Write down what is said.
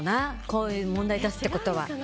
こういう問題出すってことは。